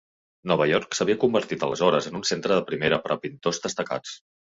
Nova York s'havia convertit aleshores en un centre de primera per a pintors destacats.